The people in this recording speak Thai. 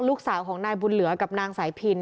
ลูกสาวของนายบุญเหลือกับนางสายพิน